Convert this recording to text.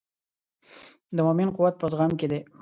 د مؤمن قوت په زغم کې دی.